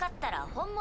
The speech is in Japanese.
本物？